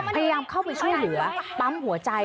พยายามเข้าไปช่วยเหลือปั๊มหัวใจ